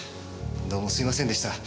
どうもすみませんでした。